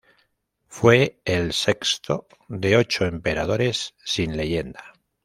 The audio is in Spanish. Fue el sexto de ocho emperadores sin leyenda.